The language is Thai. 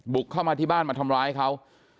เข้ามาที่บ้านมาทำร้ายเขา